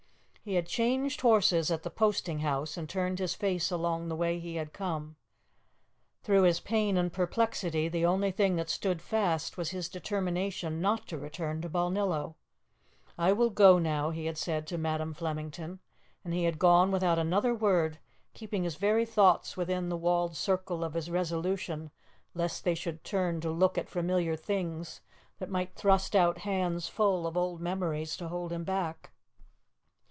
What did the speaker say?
He had changed horses at the posting house, and turned his face along the way he had come. Through his pain and perplexity the only thing that stood fast was his determination not to return to Balnillo. "I will go now," he had said to Madam Flemington, and he had gone without another word, keeping his very thoughts within the walled circle of his resolution, lest they should turn to look at familiar things that might thrust out hands full of old memories to hold him back.